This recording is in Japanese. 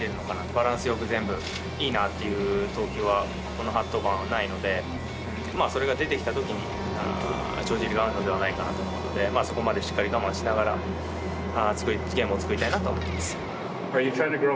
バランスよく、全部いいなと思える投球は、この８登板ないので、それが出てきたときに、帳尻が合うのではないかなと、そこまでしっかり我慢しながら、ゲームを作りたいなと思います。